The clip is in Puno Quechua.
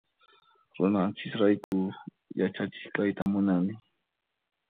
Runanchis rayku yachachiq kayta munani.